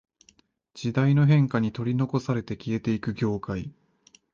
時代の変化に取り残されて消えていく業界